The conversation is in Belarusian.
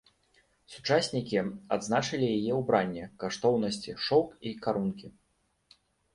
Сучаснікі адзначылі яе ўбранне, каштоўнасці, шоўк і карункі.